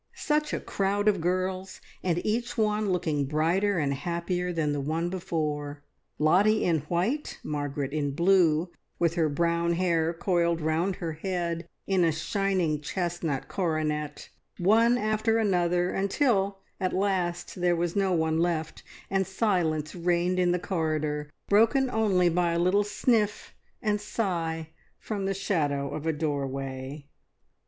Such a crowd of girls, and each one looking brighter and happier than the one before. Lottie in white, Margaret in blue, with her brown hair coiled round her head in a shining chestnut coronet, one after another, until at last there was no one left, and silence reigned in the corridor, broken only by a little sniff and sigh from the shadow of a doorway.